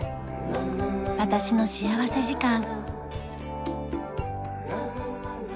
『私の幸福時間』。